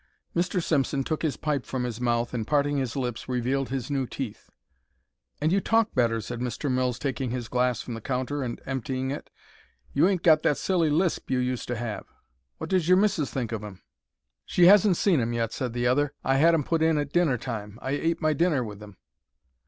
Mr. Simpson took his pipe from his mouth and, parting his lips, revealed his new teeth. "And you talk better," said Mr. Mills, taking his glass from the counter and emptying it; "you ain't got that silly lisp you used to have. What does your missis think of 'em?" "She hasn't seen 'em yet," said the other. "I had 'em put in at dinner time. I ate my dinner with 'em."